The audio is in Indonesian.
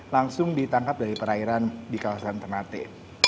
langsung ditangkap dari perairan di kawasan ternate